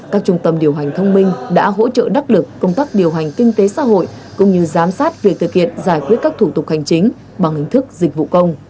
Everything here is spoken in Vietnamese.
các trung tâm điều hành thông minh đã hỗ trợ đắc lực công tác điều hành kinh tế xã hội cũng như giám sát việc thực hiện giải quyết các thủ tục hành chính bằng hình thức dịch vụ công